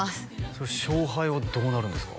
それ勝敗はどうなるんですか？